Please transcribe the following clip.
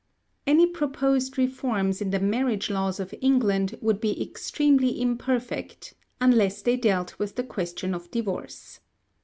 |Any proposed reforms in the marriage laws of England would be extremely imperfect, unless they dealt with the question of divorce.